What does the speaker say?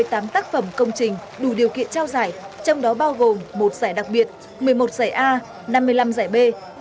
các tác phẩm công trình đủ điều kiện trao giải trong đó bao gồm một giải đặc biệt một mươi một giải a năm mươi năm giải b